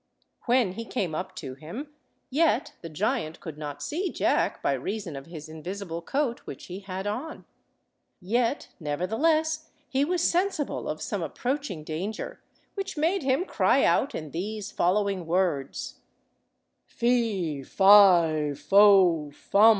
When he came up to him, yet the giant could not see Jack, by reason of his invisible coat which he had on. Yet, nevertheless, he was sensible of some approaching danger, which made him cry out in these following words— "Fe, fi, fo, fum!